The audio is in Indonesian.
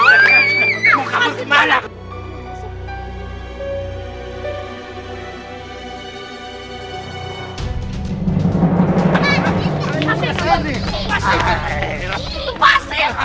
ada yang vitalnya dia